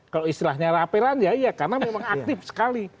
kalau istilahnya rapelan ya iya karena memang aktif sekali